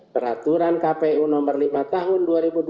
peraturan kpu nomor lima tahun dua ribu dua puluh